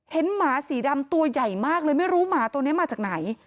หมาสีดำตัวใหญ่มากเลยไม่รู้หมาตัวนี้มาจากไหน